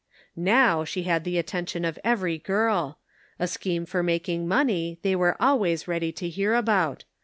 Now, she had the attention of every girl ; a scheme for making money they were always ready to hear about.